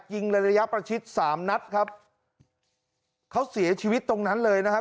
ยิงในระยะประชิดสามนัดครับเขาเสียชีวิตตรงนั้นเลยนะครับ